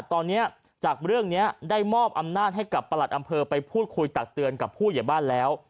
ตอนนี้จากเรื่องนี้ได้มอบอำนาจให้กับประหลัดอำเภอไปพูดคุยตักเตือนกับผู้ใหญ่บ้านแล้ว